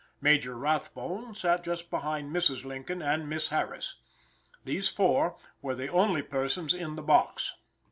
Major Rathbone sat just behind Mrs. Lincoln and Miss Harris. These four were the only persons in the box.